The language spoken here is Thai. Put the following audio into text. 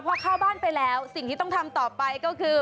พอเข้าบ้านไปแล้วสิ่งที่ต้องทำต่อไปก็คือ